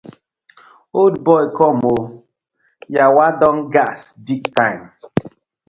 Old boy com ooo!!! Yawa don gas big time.